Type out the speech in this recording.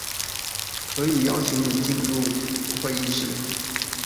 可以邀請你進入會議室